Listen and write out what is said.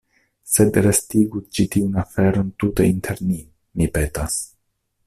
Sed restigu ĉi tiun aferon tute inter ni, mi petas.